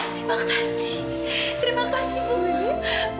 terima kasih terima kasih bu wiwid